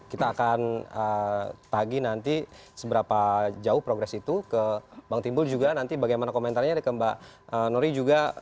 kita akan tagi nanti seberapa jauh progress itu ke bang timbul juga nanti bagaimana komentarnya ke mbak nori juga